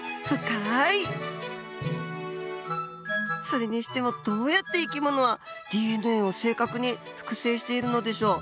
それにしてもどうやって生き物はＤＮＡを正確に複製しているのでしょう？